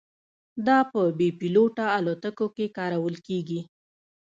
دا په بې پیلوټه الوتکو کې کارول کېږي.